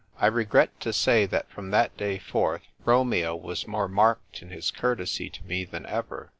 I REGRET to say that from that day forth Romeo was more marked in his courtesy to me than ever.